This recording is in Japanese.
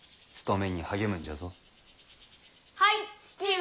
はい父上。